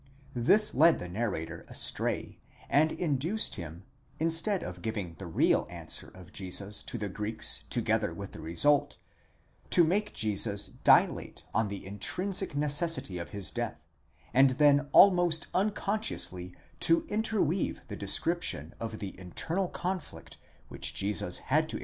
this led the narrator astray, and induced him, instead of giving the real answer of Jesus to the Greeks together with the result, to make Jesus dilate on the intrinsic necessity of his death, and then almost unconsciously to interweave the description of ihe internal conflict which Jesus had to.